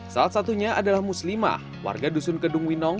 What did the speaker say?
salah satunya adalah muslimah warga dusun kedung winong